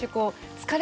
疲れ